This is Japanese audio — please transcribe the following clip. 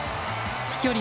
飛距離